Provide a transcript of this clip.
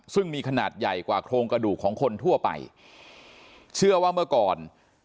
ซึ่งมีขนาดใหญ่กว่าโครงกระดูกของคนทั่วไปเชื่อว่าเมื่อก่อน